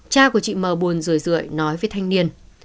cha của chị m buồn rười rượi nói với thanh niên